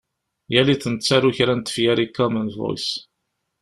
Yal iḍ nettaru-d kra n tefyar i Common Voice.